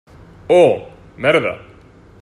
Oh, merda.